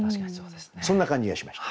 そんな感じがしました。